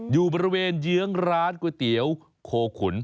อยู่บริเวณเยื้องร้านก๋วยเตี๋ยวโคขุน